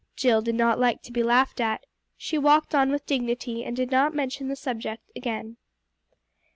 Jill did not like to be laughed at. She walked on with dignity, and did not mention the subject again.